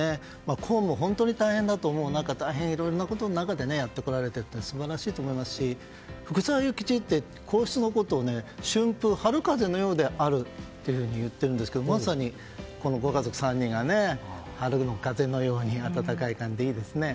公務、本当に大変だと思う中いろいろ大変な中でやってこられたのは素晴らしいと思いますし福沢諭吉って、皇室のことを春風のようであると言っているんですがまさに、ご家族３人が春の風のように温かい感じでいいですね。